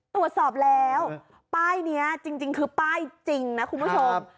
ตรวจสอบแล้วป้ายนี้จริงคือป้ายจริงนะคุณผู้ชม